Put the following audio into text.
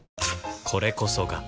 これこそが